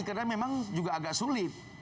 karena memang juga agak sulit